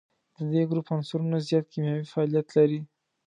د دې ګروپ عنصرونه زیات کیمیاوي فعالیت لري.